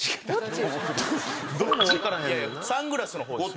いやいやサングラスの方ですよ。